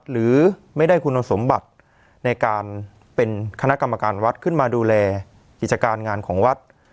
หรือไม่ได้คุณสมบัติในการเป็นคณะกรรมการวัดขึ้นมาดูแลกิจการงานของวัด